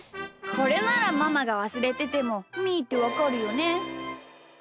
これならママがわすれててもみーってわかるよね。